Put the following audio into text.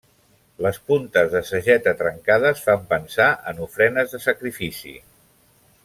Les puntes de sageta trencades fan pensar en ofrenes de sacrifici.